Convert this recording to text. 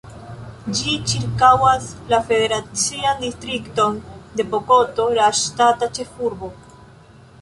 Ĝi ĉirkaŭas la federacian distrikton de Bogoto, la ŝtata ĉefurbo.